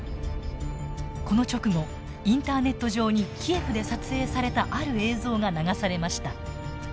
この直後インターネット上にキエフで撮影されたある映像が流されました。